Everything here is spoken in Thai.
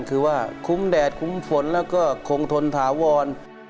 คือว่าคุ้มแดดคุ้มฝนแล้วก็คงทนถาวร